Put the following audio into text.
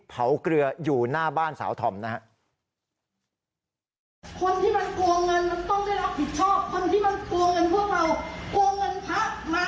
เข้ากับกับผู้โมารเศียรยังไงแล้ว